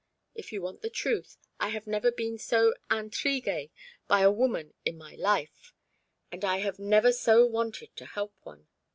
If you want the truth, I have never been so intrigué by a woman in my life. And I have never so wanted to help one.